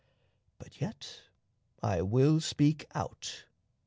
But yet I will speak out.